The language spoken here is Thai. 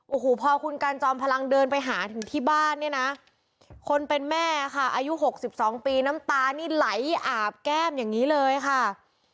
โอ้โหพอคุณกันจอมพลังเดินไปหาถึงที่บ้านเนี่ยนะคนเป็นแม่ค่ะอายุ๖๒ปีน้ำตานี่ไหลอาบแก้มอย่างนี้เลยค่ะ